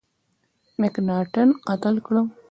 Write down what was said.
مکناټن قتل کړ.